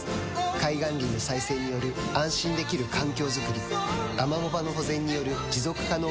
海岸林の再生による安心できる環境づくりアマモ場の保全による持続可能な海づくり